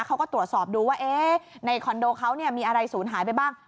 เขาก็ตรวจสอบดูว่าในคอนโดเขามีอะไรศูนย์หายไปบ้าง